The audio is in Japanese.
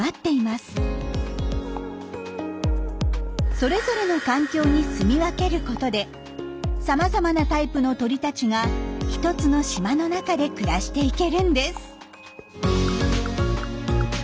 それぞれの環境にすみ分けることでさまざまなタイプの鳥たちが１つの島の中で暮らしていけるんです。